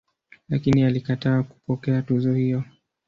Lakini alikataa kupokea tuzo hiyo.